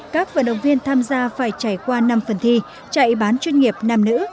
các vận động viên tham gia phải trải qua năm phần thi chạy bán chuyên nghiệp nam nữ